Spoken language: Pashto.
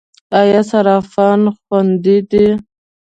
آیا صرافان خوندي دي؟